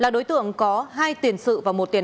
tổ công tác có hai tiền sự và một tiền án về tội trợ